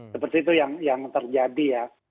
seperti itu yang terjadi ya